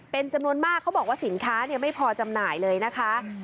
เป็นจำนวนมากเขาบอกว่าสินค้าไม่พอจำหน่ายเลยนะคะ